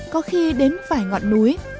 có khi đến phải ngọn núi